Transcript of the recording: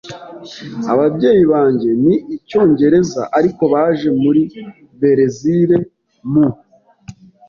Ababyeyi banjye ni Icyongereza, ariko baje muri Berezile mu .